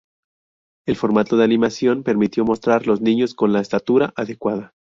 El formato de animación permitió mostrar los niños con la estatura adecuada.